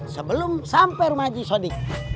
sebelum sampe rumah haji sodi